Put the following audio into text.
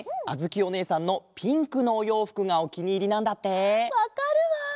あづきおねえさんのピンクのおようふくがおきにいりなんだって！わかるわ！